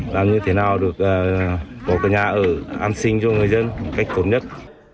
làm như thế nào được bộ nhà ở an sinh cho người dân cách tốt nhất